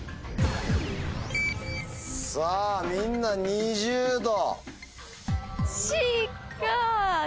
さぁみんな２０℃。